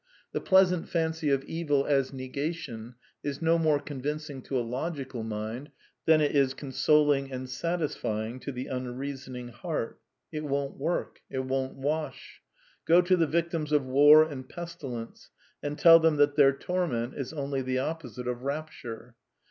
The pleasant fancy of evil as negation is no more convincing to a logical mind than it is consoling and satisfying to the unreasoning heart. It won't wort It won't wash. Go to the victims of war and pestilence, and tell them that their torment is only the opposite of rapture.